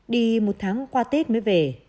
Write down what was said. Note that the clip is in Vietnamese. đi một tháng qua tết mới về